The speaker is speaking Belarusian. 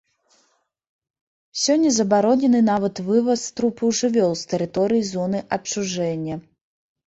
Сёння забаронены нават вываз трупаў жывёл з тэрыторыі зоны адчужэння.